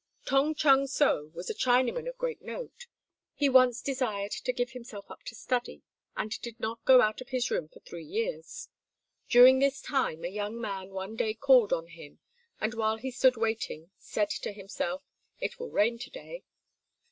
] [Tong Chung so was a Chinaman of great note. He once desired to give himself up to study, and did not go out of his room for three years. During this time a young man one day called on him, and while he stood waiting said to himself, "It will rain to day."